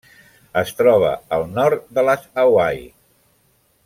Es troba al nord de les Hawaii.